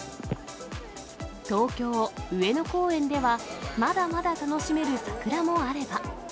東京・上野公園では、まだまだ楽しめる桜もあれば。